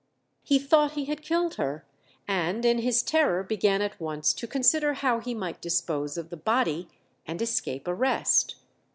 He thought he had killed her, and in his terror began at once to consider how he might dispose of the body and escape arrest.